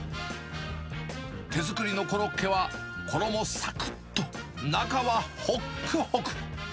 手作りのコロッケは、衣さくっと中はほっくほく。